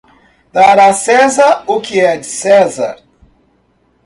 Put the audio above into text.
Dar a César o que é de César